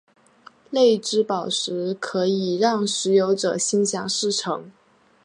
泪之宝石可以让持有者心想事成。